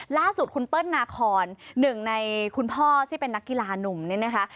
ล่าสุดคุณเปิ้ลนาคอนหนึ่งในคุณพ่อที่เป็นนักกีฬานุ่มเนี่ยนะคะ